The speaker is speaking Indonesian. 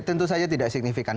tentu saja tidak signifikan